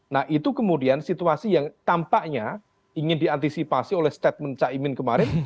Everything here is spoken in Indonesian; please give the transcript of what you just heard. nah itu kemudian situasi yang tampaknya ingin diantisipasi oleh statement caimin kemarin